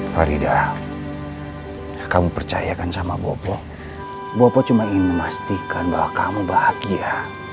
farida kamu percayakan sama bobo cuma ingin memastikan bahwa kamu bahagia